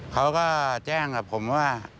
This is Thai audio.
เขาก็แจ้งกับผมว่า